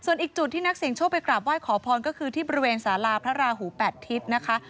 ส่วนอีกจุดที่นักเสียงโชคไปกราบไหว้ขอพรก็คือที่บริเวณสาราพระราหูแปดทิศนะคะ